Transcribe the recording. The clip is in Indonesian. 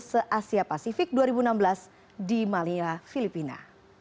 se asia pasifik dua ribu enam belas di malia filipina